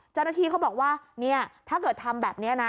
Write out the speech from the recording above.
เจ้าหน้าที่เขาบอกว่าเนี่ยถ้าเกิดทำแบบนี้นะ